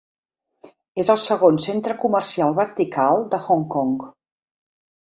És el segon "centre comercial vertical" de Hong Kong.